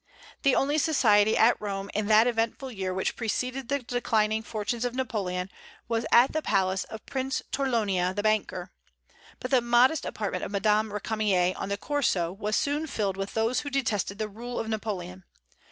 The only society at Rome in that eventful year which preceded the declining fortunes of Napoleon, was at the palace of Prince Torlonia the banker; but the modest apartment of Madame Récamier on the Corso was soon filled with those who detested the rule of Napoleon.